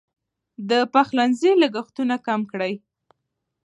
د پخلنځي لګښتونه کم کړئ.